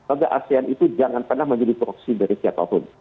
agar asean itu jangan pernah menjadi proksi dari siapapun